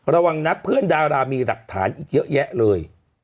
ระวังนะเพื่อนดารามีหลักฐานอีกเยอะแยะเลย